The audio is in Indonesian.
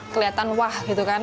kelihatan wah gitu kan